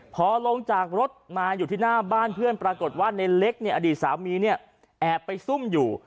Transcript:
พอลงจากรถมาอยู่ที่หน้าบ้านเพื่อนปรากฏว่าในเล็กเนี่ยอดีตสามีเนี่ยแอบไปซุ่มอยู่